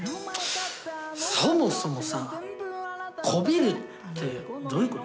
そもそもさ「こびる」ってどういうこと？